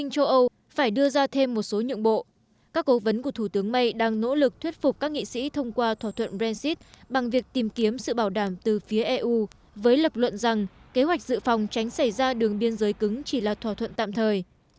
các cố vấn của thủ tướng may đang nỗ lực thuyết phục các nghị sĩ thông qua thỏa thuận brexit bằng việc tìm kiếm sự bảo đảm từ phía eu với lập luận rằng kế hoạch dự phòng tránh xảy ra đường biên giới cứng chỉ là thỏa thuận tạm thời